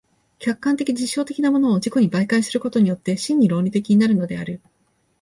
客観的実証的なものを自己に媒介することによって真に論理的になるのである。